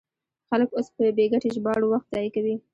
خلک اوس په بې ګټې ژباړو وخت ضایع کوي.